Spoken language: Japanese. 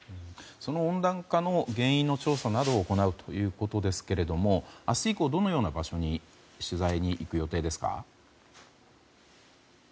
温暖化の原因の調査などを行うということですが明日以降、どのような場所に取材に行く予定ですか？